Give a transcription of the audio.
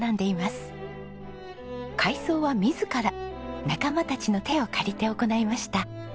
改装は自ら仲間たちの手を借りて行いました。